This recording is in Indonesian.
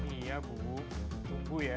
iya bu tunggu ya